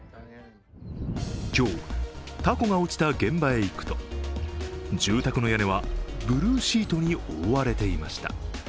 今日、凧が落ちた現場へ行くと住宅の屋根はブルーシートに覆われていました。